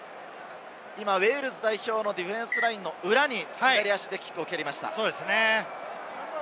ウェールズ代表のディフェンスラインの裏に左足でキックを蹴りました。